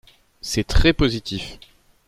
C’est très positif.